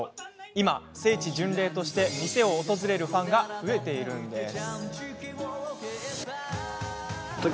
今、聖地巡礼として店を訪れるファンが増えているんです。